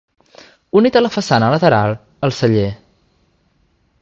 Unit a la façana lateral, el celler.